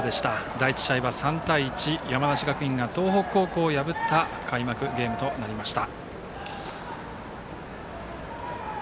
第１試合は３対１、山梨学院が東北高校を破った開幕ゲームとなりました。